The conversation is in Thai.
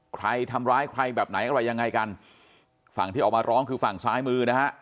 ใครทำร้ายใครแบบไหนอะไรยังไงกันฝั่งที่ออกมาร้องคือฝั่งซ้ายมือนะฮะ